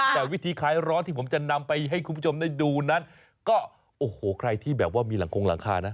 แต่วิธีคลายร้อนที่ผมจะนำไปให้คุณผู้ชมได้ดูนั้นก็โอ้โหใครที่แบบว่ามีหลังคงหลังคานะ